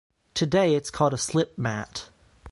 Today it's called a slipmat.